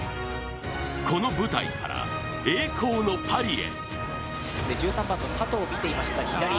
この舞台から栄光のパリへ。